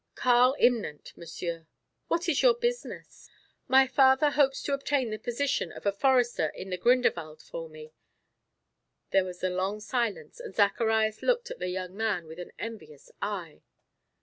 "Karl Imnant, Monsieur." "What is your business?" "My father hopes to obtain the position of a forester in the Grinderwald for me." There was a long silence and Zacharias looked at the young man with an envious eye.